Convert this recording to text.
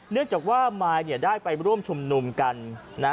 เนื่องจากว่ามายได้ไปร่วมชมนุมกัน